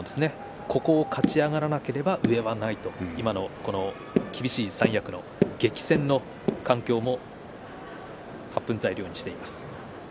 ここを勝ち上がらなければ上はないと厳しい三役の激戦の環境も発奮材料にしています。